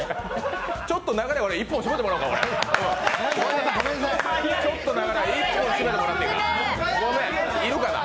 ちょっと流れ悪い、一本締めてもらおうかな。